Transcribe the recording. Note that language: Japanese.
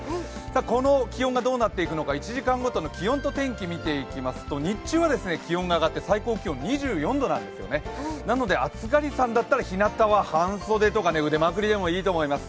この気温がどうなっていくのか、１時間ごとの気温と天気を見ていきますと、日中は気温が上がって最高気温２４度なんですねなので暑がりさんだったらひなたは半袖とか腕まくりでもいいと思います。